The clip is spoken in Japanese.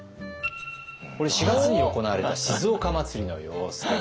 これ４月に行われた静岡まつりの様子でございます。